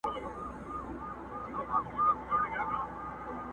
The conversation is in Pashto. د غریب مُلا آذان ته کله چا وو غوږ نیولی!!